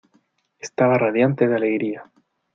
Estaba radiante de alegría.